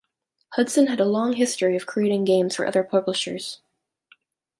Hudson had a long history of creating games for other publishers.